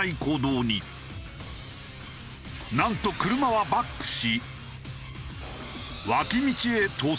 なんと車はバックし。